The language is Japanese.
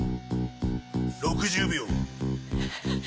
６０秒。